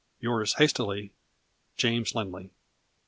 Yours hastily, Jas. Lindley.